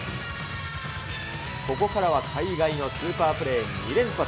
ここからは海外のスーパープレー２連発。